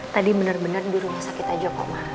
tadi bener bener di rumah sakit aja pak ma